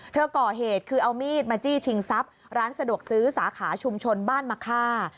เธอก่อเหตุคือเอามีดมาจี้ชิงทรัพย์ร้านสะดวกซื้อสาขาชุมชนบ้านมะค่า